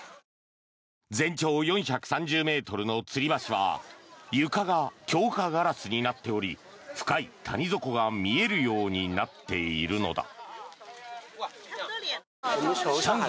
全長４３０ｍのつり橋は床が強化ガラスになっており深い谷底が見えるようになっているのだ。